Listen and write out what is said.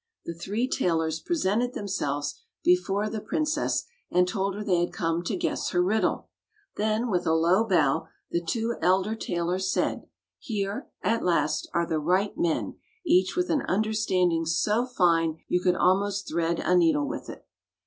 The three tailors presented themselves before the princess and told her they had come to guess her riddle. Then, with a low bow, the two elder tailors said, "Here, at last, are the right men, each with an under standing so fine you could almost thread a needle with it."